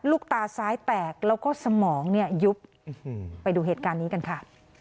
ลูกตาซ้ายแตกแล้วก็สมองเนี่ยยุบไปดูเหตุการณ์นี้กันค่ะ